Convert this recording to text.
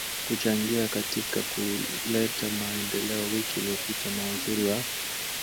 kuchangia katika kuleta maendeleoWiki iliyopita mawaziri wa